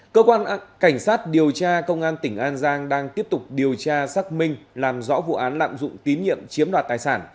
cơ quan cảnh sát điều tra công an tp hcm đang tiếp tục điều tra xác minh làm rõ vụ án lạm dụng tín nhiệm chiếm đoạt tài sản